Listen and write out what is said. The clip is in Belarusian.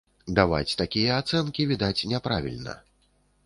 Даваць такія ацэнкі, відаць, няправільна.